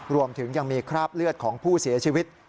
รวมถึงยังมีคราบเลือดของผู้เสียชีวิต